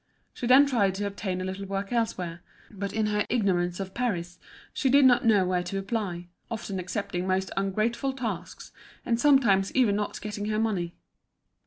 She then tried to obtain a little work elsewhere; but in her ignorance of Paris she did not know where to apply, often accepting most ungrateful tasks, and sometimes even not getting her money.